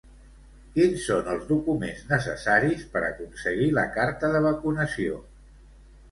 Quins són els documents necessaris per aconseguir la carta de vacunació?